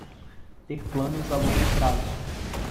Ter planos a longo prazo